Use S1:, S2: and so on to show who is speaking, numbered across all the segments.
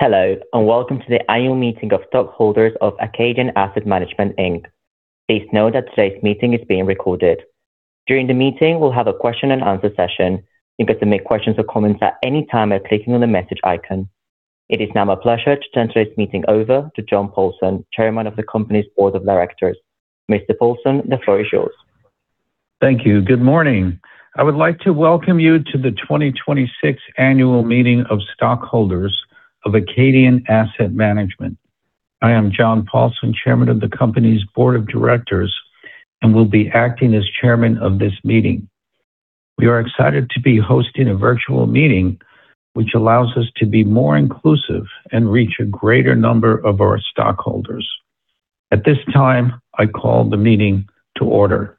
S1: Hello, and welcome to the Annual Meeting of Stockholders of Acadian Asset Management, Inc. Please note that today's meeting is being recorded. During the meeting, we'll have a question and answer session. You get to make questions or comments at any time by clicking on the message icon. It is now my pleasure to turn today's meeting over to John Paulson, Chairman of the company's Board of Directors. Mr. Paulson, the floor is yours.
S2: Thank you. Good morning. I would like to welcome you to the 2026 Annual Meeting of Stockholders of Acadian Asset Management. I am John Paulson, Chairman of the company's Board of Directors and will be acting as chairman of this meeting. We are excited to be hosting a virtual meeting, which allows us to be more inclusive and reach a greater number of our stockholders. At this time, I call the meeting to order.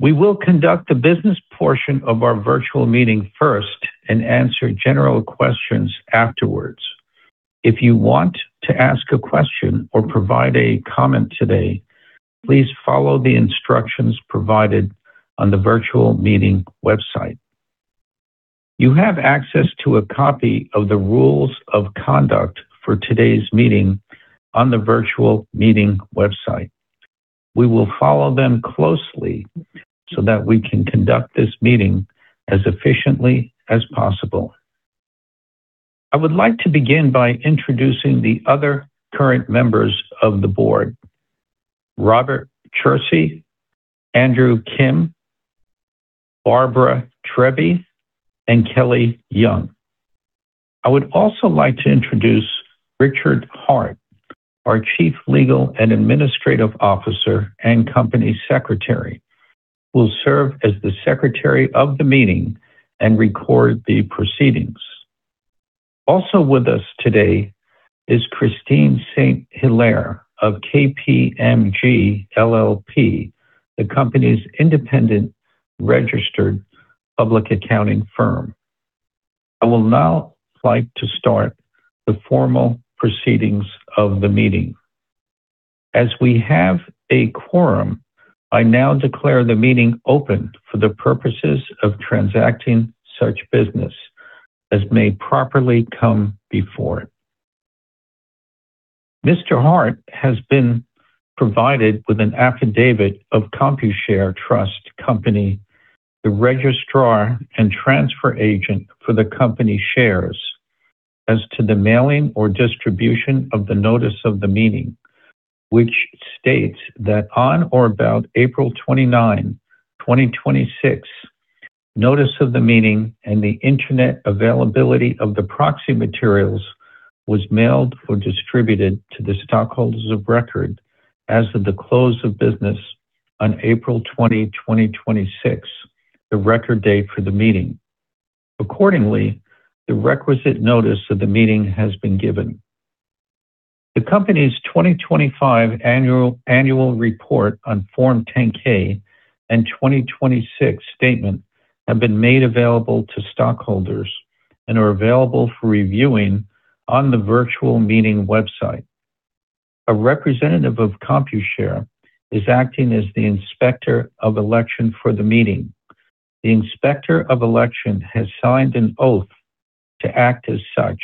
S2: We will conduct the business portion of our virtual meeting first and answer general questions afterwards. If you want to ask a question or provide a comment today, please follow the instructions provided on the virtual meeting website. You have access to a copy of the rules of conduct for today's meeting on the virtual meeting website. We will follow them closely so that we can conduct this meeting as efficiently as possible. I would like to begin by introducing the other current members of the board, Robert Chersi, Andrew Kim, Barbara Trebbi, and Kelly Young. I would also like to introduce Richard Hart, our Chief Legal and Administrative Officer and Company Secretary, will serve as the secretary of the meeting and record the proceedings. Also with us today is Christine St. Hilaire of KPMG LLP, the company's independent registered public accounting firm. I will now like to start the formal proceedings of the meeting. As we have a quorum, I now declare the meeting open for the purposes of transacting such business as may properly come before it. Mr. Hart has been provided with an affidavit of Computershare Trust Company, the registrar and transfer agent for the company shares as to the mailing or distribution of the notice of the meeting, which states that on or about April 29, 2026, notice of the meeting and the internet availability of the proxy materials was mailed or distributed to the stockholders of record as of the close of business on April 20, 2026, the record date for the meeting. The requisite notice of the meeting has been given. The company's 2025 annual report on Form 10-K and 2026 statement have been made available to stockholders and are available for reviewing on the virtual meeting website. A representative of Computershare is acting as the inspector of election for the meeting. The inspector of election has signed an oath to act as such,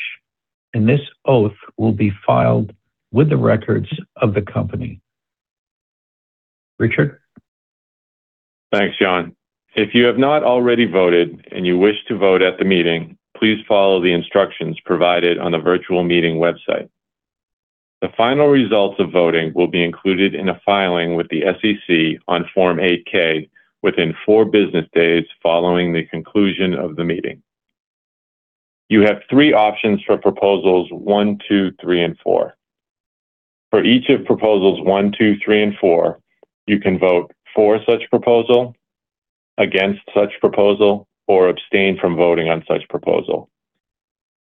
S2: and this oath will be filed with the records of the company. Richard?
S3: Thanks, John. If you have not already voted and you wish to vote at the meeting, please follow the instructions provided on the virtual meeting website. The final results of voting will be included in a filing with the SEC on Form 8-K within four business days following the conclusion of the meeting. You have three options for proposals one, two, three, and four. For each of proposals one, two, three, and four, you can vote for such proposal, against such proposal, or abstain from voting on such proposal.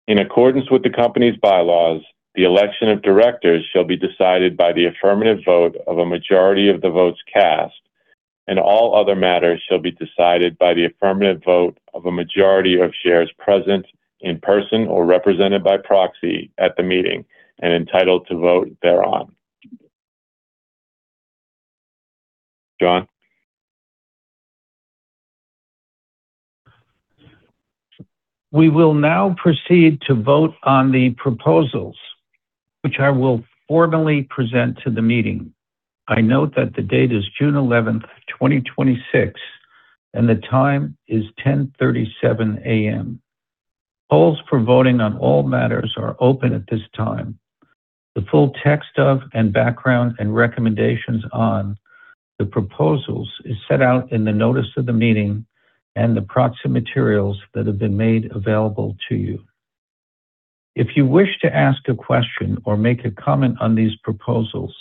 S3: In accordance with the company's bylaws, the election of directors shall be decided by the affirmative vote of a majority of the votes cast, and all other matters shall be decided by the affirmative vote of a majority of shares present in person or represented by proxy at the meeting and entitled to vote thereon. John?
S2: We will now proceed to vote on the proposals, which I will formally present to the meeting. I note that the date is June 11th, 2026, and the time is 10:37 A.M. Polls for voting on all matters are open at this time. The full text of, and background and recommendations on, the proposals is set out in the notice of the meeting and the proxy materials that have been made available to you. If you wish to ask a question or make a comment on these proposals,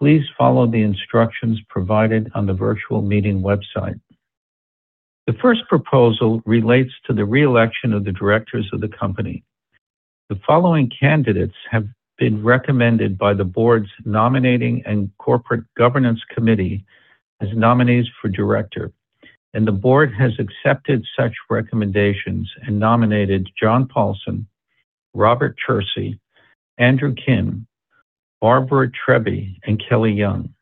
S2: please follow the instructions provided on the virtual meeting website. The first proposal relates to the re-election of the directors of the company. The following candidates have been recommended by the board's nominating and corporate governance committee as nominees for director, and the board has accepted such recommendations and nominated John Paulson, Robert Chersi, Andrew Kim, Barbara Trebbi, and Kelly Young.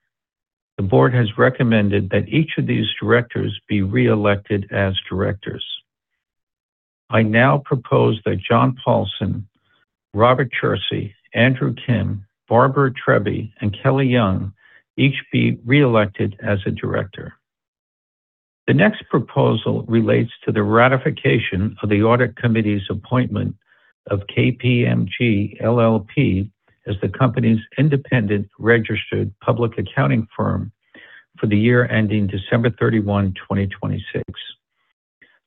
S2: The board has recommended that each of these directors be reelected as directors. I now propose that John Paulson, Robert Chersi, Andrew Kim, Barbara Trebbi, and Kelly Young each be reelected as a director. The next proposal relates to the ratification of the audit committee's appointment of KPMG LLP as the company's independent registered public accounting firm for the year ending December 31st, 2026.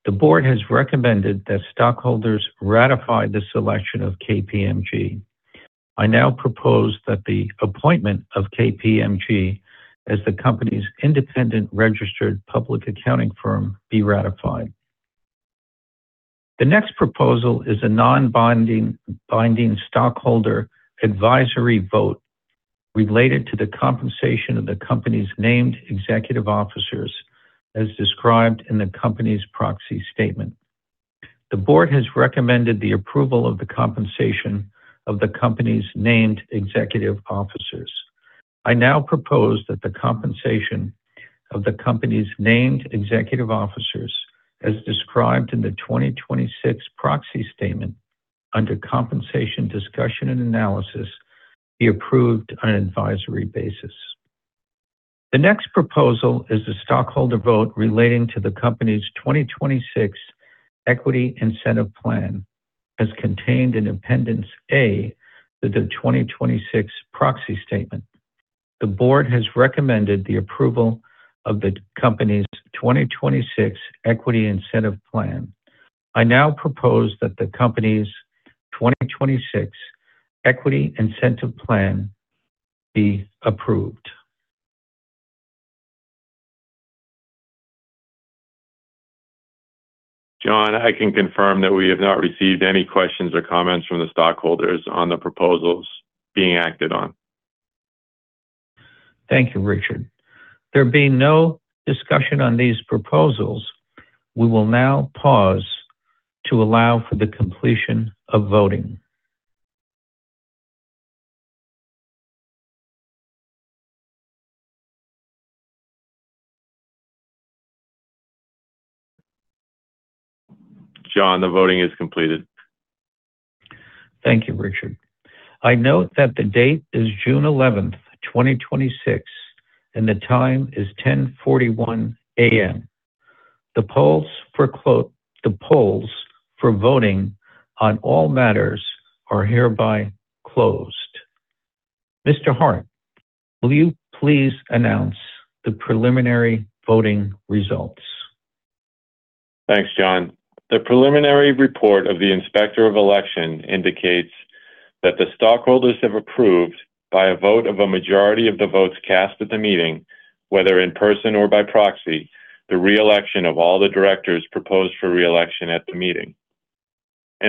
S2: The board has recommended that stockholders ratify the selection of KPMG. I now propose that the appointment of KPMG as the company's independent registered public accounting firm be ratified. The next proposal is a non-binding stockholder advisory vote related to the compensation of the company's named executive officers as described in the company's proxy statement. The board has recommended the approval of the compensation of the company's named executive officers. I now propose that the compensation of the company's named executive officers, as described in the 2026 proxy statement under compensation discussion and analysis, be approved on an advisory basis. The next proposal is the stockholder vote relating to the company's 2026 Equity Incentive Plan as contained in Appendix A to the 2026 proxy statement. The board has recommended the approval of the company's 2026 Equity Incentive Plan. I now propose that the company's 2026 Equity Incentive Plan be approved.
S3: John, I can confirm that we have not received any questions or comments from the stockholders on the proposals being acted on.
S2: Thank you, Richard. There being no discussion on these proposals, we will now pause to allow for the completion of voting.
S3: John, the voting is completed.
S2: Thank you, Richard. I note that the date is June 11th, 2026, and the time is 10:41 A.M. The polls for voting on all matters are hereby closed. Mr. Hart, will you please announce the preliminary voting results?
S3: Thanks, John. The preliminary report of the Inspector of Election indicates that the stockholders have approved by a vote of a majority of the votes cast at the meeting, whether in person or by proxy, the reelection of all the directors proposed for reelection at the meeting.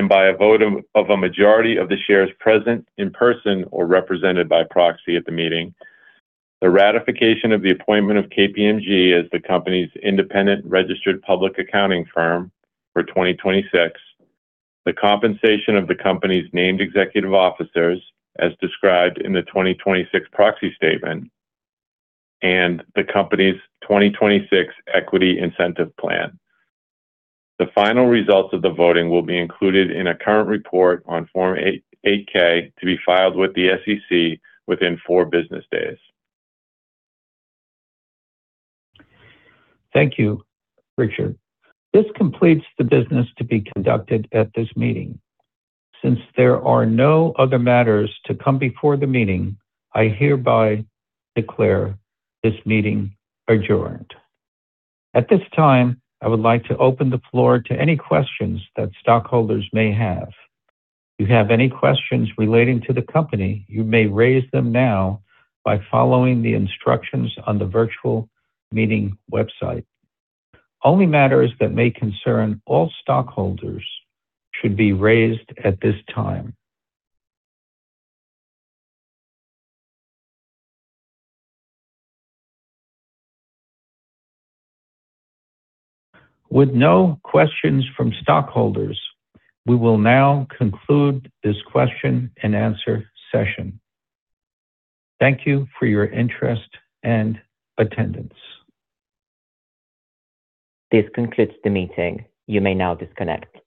S3: By a vote of a majority of the shares present in person or represented by proxy at the meeting, the ratification of the appointment of KPMG as the company's independent registered public accounting firm for 2026, the compensation of the company's named executive officers as described in the 2026 proxy statement, and the company's 2026 Equity Incentive Plan. The final results of the voting will be included in a current report on Form 8-K to be filed with the SEC within four business days.
S2: Thank you, Richard. This completes the business to be conducted at this meeting. Since there are no other matters to come before the meeting, I hereby declare this meeting adjourned. At this time, I would like to open the floor to any questions that stockholders may have. If you have any questions relating to the company, you may raise them now by following the instructions on the virtual meeting website. Only matters that may concern all stockholders should be raised at this time. With no questions from stockholders, we will now conclude this question-and-answer session. Thank you for your interest and attendance.
S1: This concludes the meeting. You may now disconnect.